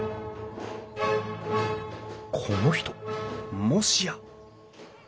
この人もしや！